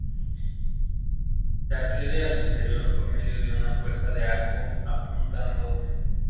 Se accede a su interior por medio de una puerta de arco apuntado.